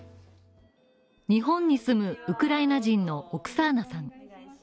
日本に住むウクライナ人のオクサーナさん。